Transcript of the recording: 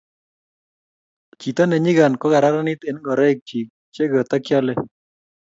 chito ne nyikan ko kararanit eng ngoroik chi che katekeole